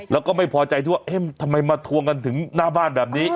แล้วก็ไม่พอใจที่ว่าเอ๊ะทำไมมาทวงกันถึงหน้าบ้านแบบนี้